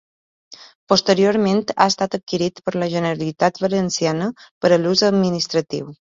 Posteriorment ha estat adquirit per la Generalitat Valenciana per a ús administratiu.